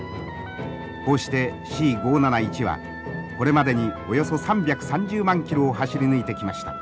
こうしてＣ５７１はこれまでにおよそ３３０万キロを走り抜いてきました。